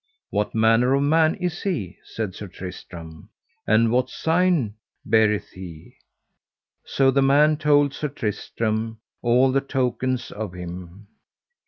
What manner of man is he, said Sir Tristram, and what sign beareth he? So the man told Sir Tristram all the tokens of him.